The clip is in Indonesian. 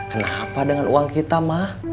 kenapa dengan uang kita mah